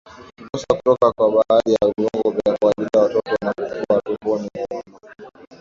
Kukosa kutoka kwa baadhi ya viungo vya kuwalinda watoto wanapokuwa tumboni mwa mama